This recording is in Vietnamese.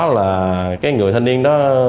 là cái người thanh niên đó